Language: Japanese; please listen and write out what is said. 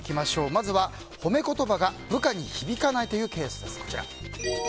まずは褒め言葉が部下に響かないというケースです。